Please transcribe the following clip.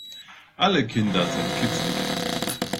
Alle Kinder sind kitzelig.